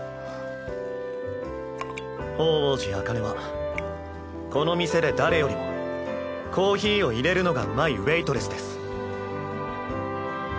鳳凰寺紅葉はこの店で誰よりもコーヒーをいれるのがうまいウエートレスです。